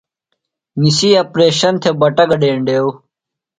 نِسی اپریشن تھےۡ بٹہ گڈینڈیو۔